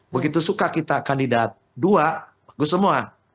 begitu suka kita kandidat dua bagus semua